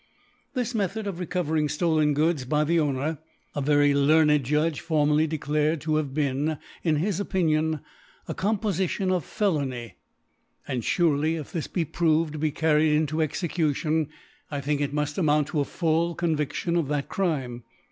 This Me^ tbod of recovering ftolen Goods by the Own er, a Very learned Judge formerly dedared to have been, in bis Opinion, aCompoHtion of Felony. And furely if this be proved to be carried into Execution, I think it muft amount to a full ConviAion of that Crime.